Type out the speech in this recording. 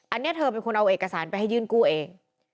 อันนี้เธอเป็นคนเอาเอกสารไปให้ยื่นกู้เอง